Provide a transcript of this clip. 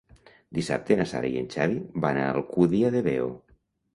Dissabte na Sara i en Xavi van a l'Alcúdia de Veo.